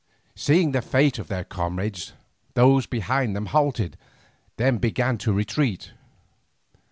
Seeing the fate of their comrades, those behind them halted, then began to retreat.